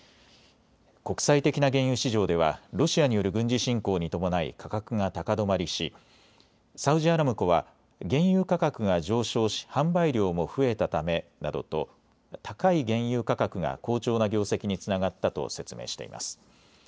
国際的な原油市場ではロシアによる軍事侵攻に伴い価格が高止まりしサウジアラムコは原油価格が上昇し販売量も増えたためなどと高い原油価格が好調な業績につながったと説明しています。